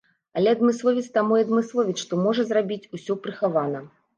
Але адмысловец таму і адмысловец, што можа зрабіць усё прыхавана.